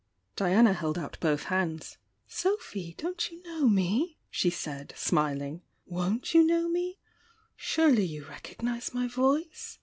Diana held out both hands. ■ "SoDhy, don't you know me?" she said, smilmg— "Wonh you know me? Surely you recognise my voice?